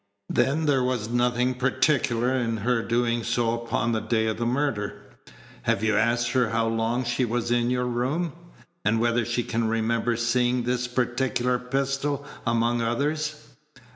"Then there was nothing particular in her doing so upon the day of the murder. Have you asked her how long she was in your room, and whether she can remember seeing this particular pistol among others?"